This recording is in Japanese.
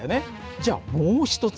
じゃあもう一つ。